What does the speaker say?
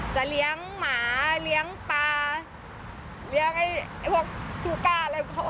จะเลี้ยงหมาเลี้ยงปลาเลี้ยงไอ้พวกชูก้าอะไรพวก